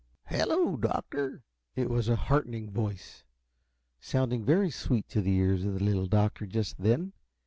"Hello, Doctor!" It was a heartening voice, sounding very sweet to the ears of the Little Doctor just then.